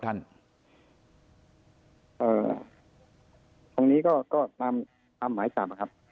ตรงนี้ก็ตามตามหมายตามนะครับ